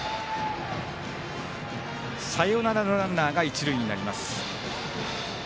サヨナラのランナーが一塁になります。